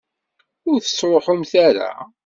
Ur tettruḥumt ara?